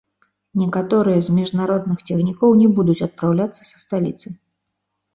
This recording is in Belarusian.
Некаторыя з міжнародных цягнікоў не будуць адпраўляцца са сталіцы.